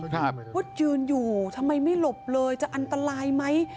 ว่ายืนอยู่ทำไมไม่หลบเลยจะอันตรายไหม